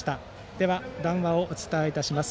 では談話をお伝えいたします。